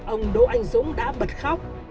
ông đỗ anh dũng đã bật khóc